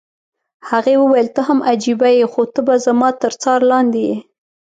هغې وویل: ته هم عجبه يې، خو ته به زما تر څار لاندې یې.